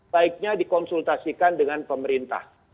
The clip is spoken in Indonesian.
baiknya dikonsultasikan dengan pemerintah